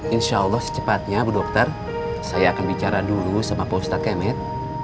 insya allah secepatnya bu dokter saya akan bicara dulu sama pak ustadz kemed